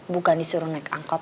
bukan disuruh naik angkot